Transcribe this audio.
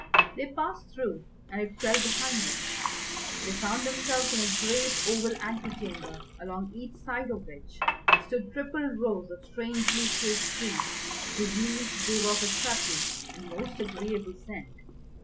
They passed through and it fell behind them. They found themselves in a great oval ante chamber along each side of which stood triple rows of strangely shaped trees whose leaves gave off a subtle and most agreeable scent.